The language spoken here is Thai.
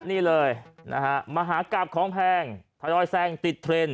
นี่เลยนะฮะมหากราบของแพงทยอยแซงติดเทรนด์